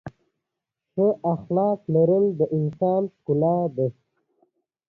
ښتې د افغانستان د موسم د بدلون سبب کېږي.